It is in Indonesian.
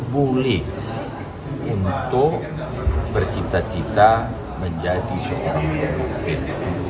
bully untuk bercita cita menjadi seorang perempuan